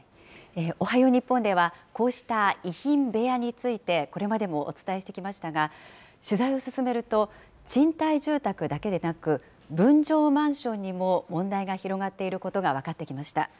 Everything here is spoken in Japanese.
おはよう日本では、こうした遺品部屋について、これまでもお伝えしてきましたが、取材を進めると、賃貸住宅だけでなく、分譲マンションにも問題が広がっていることが分かってきました。